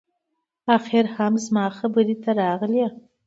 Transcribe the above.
اخیر هم زما خبرې ته راغلې